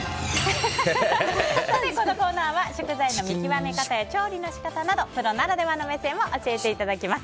このコーナーは食材の見極め方や調理の仕方などプロならではの目線を教えていただきます。